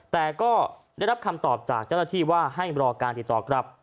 แต่ก็ได้รับคำตอบจากเจ้าหน้าที่ว่าให้รอการติดต่อกลับ